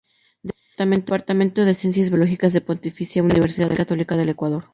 Departamento de Ciencias Biológicas", de Pontificia Universidad Católica del Ecuador.